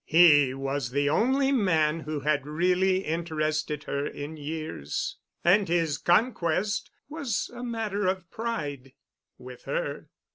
He was the only man who had really interested her in years, and his conquest was a matter of pride with her.